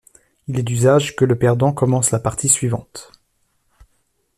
Il est d'usage que le perdant commence la partie suivante.